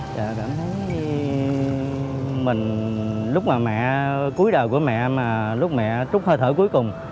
cảm thấy lúc cuối đời của mẹ lúc mẹ trút hơi thở cuối cùng